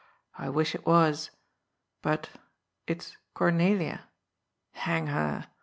I wish it was. But it's Cor nelia. Hang her.